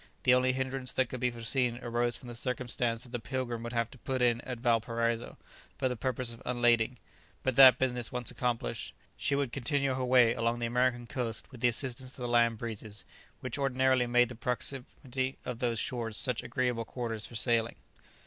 The only hindrance that could be foreseen arose from the circumstance that the "Pilgrim" would have to put in at Valparaiso for the purpose of unlading; but that business once accomplished, she would continue her way along the American coast with the assistance of the land breezes, which ordinarily make the proximity of those shores such agreeable quarters for sailing.